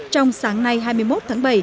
trong sáng nay hai mươi một tháng bảy